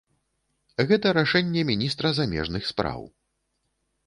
Гэта рашэнне міністра замежных спраў.